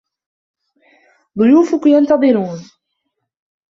ضيوفك ينتظرون.